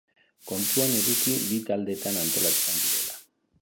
Kontuan eduki bi taldetan antolatzen direla.